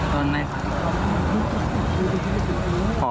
ตอนนี้